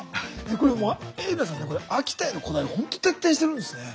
これ海老名さんね秋田へのこだわりほんと徹底してるんですね。